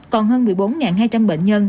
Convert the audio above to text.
còn hơn một mươi bốn hai trăm linh bệnh nhân